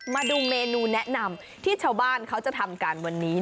มาดูเมนูแนะนำที่ชาวบ้านเขาจะทำกันวันนี้